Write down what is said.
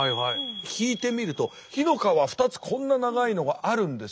引いてみると火の川２つこんな長いのがあるんです。